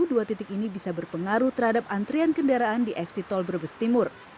dua titik ini bisa berpengaruh terhadap antrian kendaraan di eksit tol brebes timur